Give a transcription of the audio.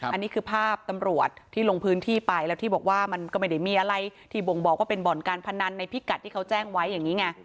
อันนี้คือภาพตำรวจที่ลงพื้นที่ไปแล้วที่บอกว่ามันก็ไม่ได้มีอะไรที่บ่งบอกว่าเป็นบ่อนการพนันในพิกัดที่เขาแจ้งไว้อย่างนี้ไง